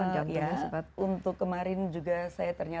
ya untuk kemarin juga saya ternyata pengentalan darah saya tinggi